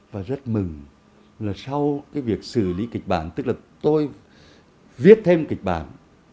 và rất mừng là sau cái việc xử lý kịch bản tức là tôi viết thêm kịch bản